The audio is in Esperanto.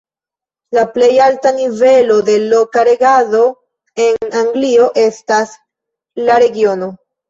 La plej alta nivelo de loka regado en Anglio estas la regiono.